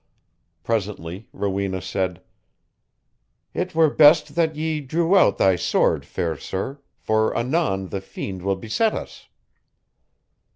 Presently Rowena said, "It were best that ye drew out thy sword, fair sir, for anon the fiend will beset us."